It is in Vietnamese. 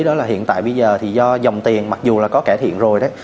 đó là hiện tại bây giờ thì do dòng tiền mặc dù là có cải thiện rồi đấy